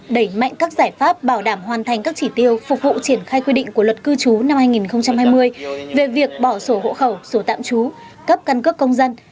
đẩy mạnh các giải pháp bảo đảm hoàn thành các chỉ tiêu phục vụ triển khai quy định của luật cư trú năm hai nghìn hai mươi về việc bỏ sổ hộ khẩu sổ tạm trú cấp căn cước công dân